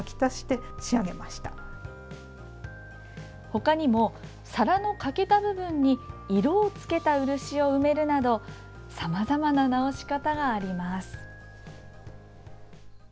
ほかにも皿の欠けた部分に色をつけた漆を埋めるなどさまざまな直し方があります。